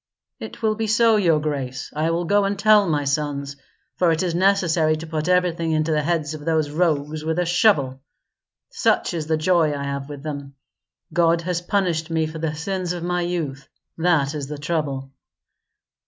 "It will be so, your grace. I will go and tell my sons, for it is necessary to put everything into the heads of those rogues with a shovel. Such is the joy I have with them. God has punished me for the sins of my youth; that is the trouble.